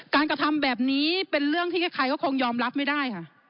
กระทำแบบนี้เป็นเรื่องที่ใครก็คงยอมรับไม่ได้ค่ะ